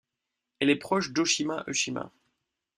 Elle est proche d'Oshima Ō-shima.